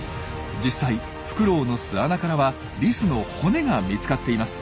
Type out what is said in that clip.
実際フクロウの巣穴からはリスの骨が見つかっています。